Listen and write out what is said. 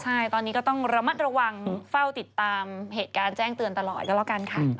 ใช่ตอนนี้ก็ต้องระมัดระวังเฝ้าติดตามเหตุการณ์แจ้งเตือนตลอดก็แล้วกันค่ะ